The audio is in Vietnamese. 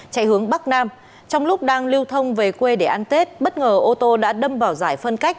chạy hướng bắc nam trong lúc đang lưu thông về quê để ăn tết bất ngờ ô tô đã đâm vào giải phân cách